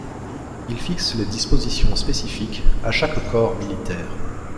Ils fixent les dispositions spécifiques à chaque corps militaire.